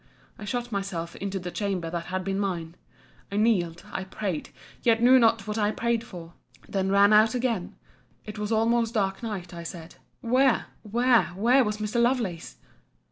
I shut myself into the chamber that had been mine; I kneeled, I prayed; yet knew not what I prayed for: then ran out again: it was almost dark night, I said: where, where, where was Mr. Lovelace?